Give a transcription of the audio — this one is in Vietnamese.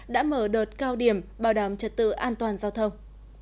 đã mở đợt cao điểm bảo đảm trật tự an toàn giao thông